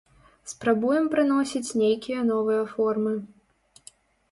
Спрабуем прыносіць нейкія новыя формы.